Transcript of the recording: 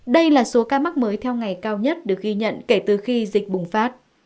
đây là số ca mắc mới cao nhất được ghi nhận kể từ khi dịch bùng phát